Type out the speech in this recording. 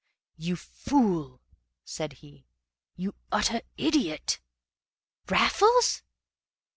"You fool!" said he. "You utter idiot!" "Raffles!"